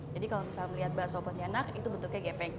jadi kalau misalnya melihat bakso pemtiana itu bentuknya gepeng